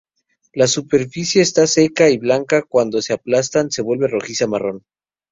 La superficie está seca y blanca, cuando se aplastan, se vuelve rojiza-marrón.